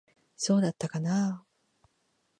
そうだったかなあ。